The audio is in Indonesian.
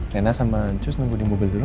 rena sama ancus nunggu di mobil terang